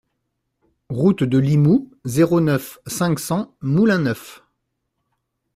Route de Limoux, zéro neuf, cinq cents Moulin-Neuf